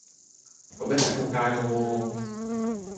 咁一齊仆街囉!